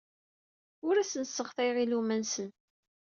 Ur asen-sseɣtayeɣ iluɣma-nsen.